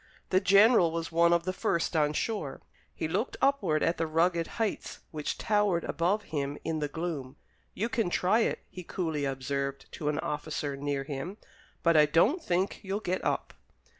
The general was one of the first on shore. He looked upward at the rugged heights which towered above him in the gloom. "You can try it," he coolly observed to an officer near him; "but I don't think you'll get up."